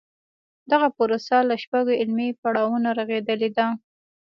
دغه پروسه له شپږو عملي پړاوونو رغېدلې ده.